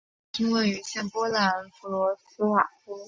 百年厅位于现波兰弗罗茨瓦夫。